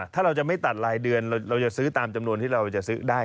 ถ้าเราจะไม่ตัดรายเดือนเราจะซื้อตามจำนวนที่เราจะซื้อได้